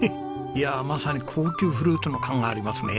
いやまさに高級フルーツの感がありますね。